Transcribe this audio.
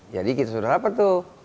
jadi kita sudah rapat tuh